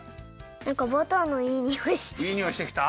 なんかバターのいいにおいしてきた。